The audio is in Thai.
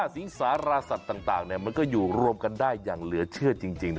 สิงสารสัตว์ต่างมันก็อยู่รวมกันได้อย่างเหลือเชื่อจริง